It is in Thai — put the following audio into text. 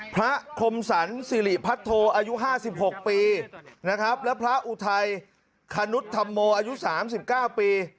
คมสรรสิริพัทโทอายุ๕๖ปีนะครับและพระอุทัยคนุธรรมโมอายุ๓๙ปี